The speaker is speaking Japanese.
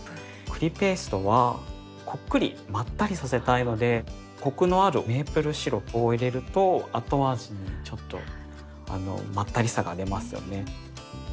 栗ペーストはこっくりまったりさせたいのでコクのあるメープルシロップを入れると後味ちょっとまったりさが出ますよね。